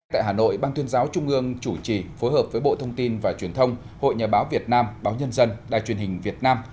tại hà nội ban tuyên giáo trung ương chủ trì phối hợp với bộ thông tin và truyền thông hội nhà báo việt nam báo nhân dân đài truyền hình việt nam